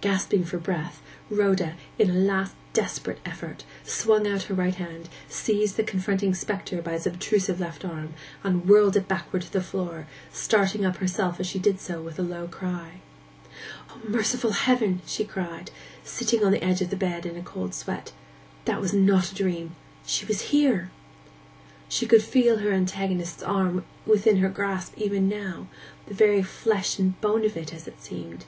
Gasping for breath, Rhoda, in a last desperate effort, swung out her right hand, seized the confronting spectre by its obtrusive left arm, and whirled it backward to the floor, starting up herself as she did so with a low cry. 'O, merciful heaven!' she cried, sitting on the edge of the bed in a cold sweat; 'that was not a dream—she was here!' She could feel her antagonist's arm within her grasp even now—the very flesh and bone of it, as it seemed.